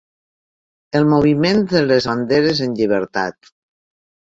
El moviment de les banderes en llibertat.